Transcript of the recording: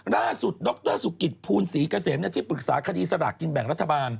ดรสุกิตภูลศรีเกษมที่ปรึกษาคดีสลากกินแบ่งรัฐบาล